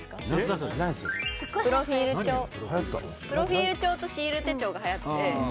プロフィール帳とシール手帳がはやって。